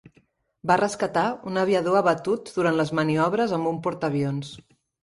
Va rescatar un aviador abatut durant les maniobres amb un portaavions.